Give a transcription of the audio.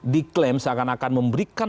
diklaim seakan akan memberikan